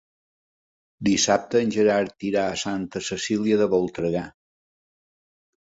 Dissabte en Gerard irà a Santa Cecília de Voltregà.